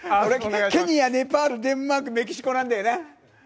ケニア、ネパール、デンマーク、メキシコなんだよね。